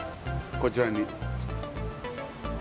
こちらに。